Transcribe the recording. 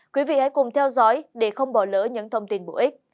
quý vị hãy cùng theo dõi để không bỏ lỡ những thông tin bổ ích